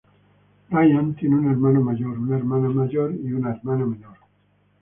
Ryan tiene un hermano mayor, una hermana mayor y una hermana menor.